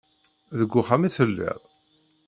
Deg wexxam i telliḍ?